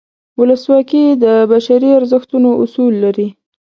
ولسواکي د بشري ارزښتونو اصول لري.